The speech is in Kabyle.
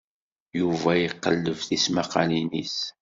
Yuba iqelleb tismaqqalin-is.